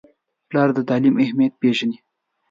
پلار د تعلیم اهمیت پیژني.